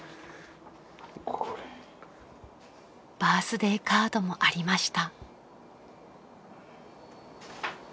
［バースデーカードもありました］